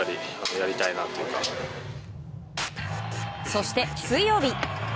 そして水曜日。